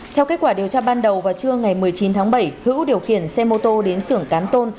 theo kết quả điều tra ban đầu vào trưa ngày một mươi chín tháng bảy hữu điều khiển xe mô tô đến xưởng cán tôn